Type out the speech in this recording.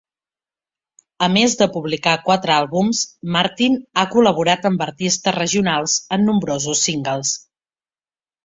A més de publicar quatre àlbums, Martin ha col·laborat amb artistes regionals en nombrosos singles.